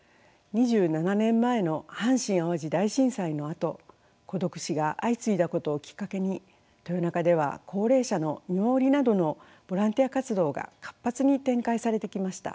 ２７年前の阪神・淡路大震災のあと孤独死が相次いだことをきっかけに豊中では高齢者の見守りなどのボランティア活動が活発に展開されてきました。